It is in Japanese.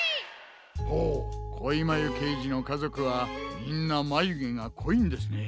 ほうこいまゆけいじのかぞくはみんなまゆげがこいんですね。